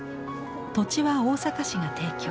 土地は大阪市が提供。